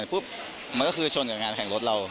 ปุ๊บมันก็คือชนกับงานแข่งรถเรา